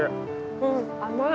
うん甘い。